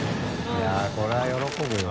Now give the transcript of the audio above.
いやこれは喜ぶよ。